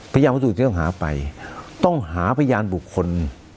พยานวัตถุที่ต้องหาไปต้องหาพยานบุคคล